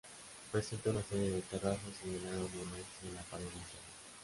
Presenta una serie de terrazas en el lado noroeste de la pared interna.